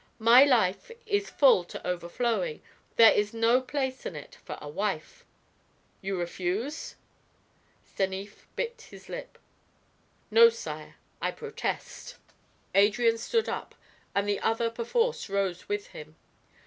My life is full to overflowing; there is no place in it for a wife." "You refuse?" Stanief bit his lip. "No, sire; I protest." Adrian stood up, and the other perforce rose with him.